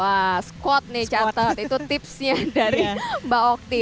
wah squat nih catat itu tipsnya dari mbak okti